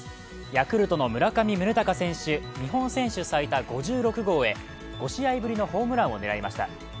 ヤクルトの村上宗隆選手、日本選手最多５６号へ、５試合ぶりのホームランを狙いました。